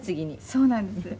「そうなんです。